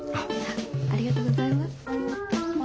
ありがとうございます。